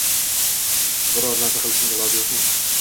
Biror narsa qilishning iloji yo`qmi